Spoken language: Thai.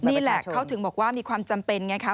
นี่แหละเขาถึงบอกว่ามีความจำเป็นไงคะ